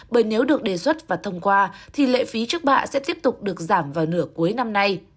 bởi nếu được đề xuất và thông qua thì lệ phí trước bạ sẽ tiếp tục được giảm vào nửa cuối năm nay